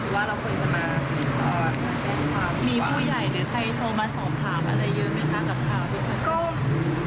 แบบนี้รู้ค่ะที่ดู